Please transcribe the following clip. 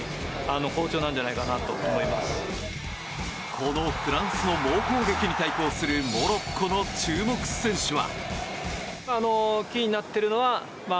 このフランスの猛攻撃に対抗するモロッコの注目選手は。